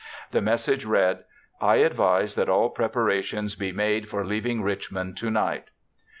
The message read: "I advise that all preparations be made for leaving Richmond tonight."